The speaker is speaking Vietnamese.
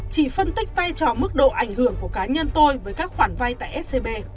chỉ phân tích vai trò mức độ ảnh hưởng của cá nhân tôi với các khoản vay tại scb